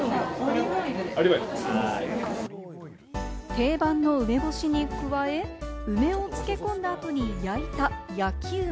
定番の梅干しに加え、梅を漬け込んだ後に焼いた焼き梅。